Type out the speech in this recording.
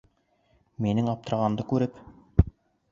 Минең аптырағанды күреп: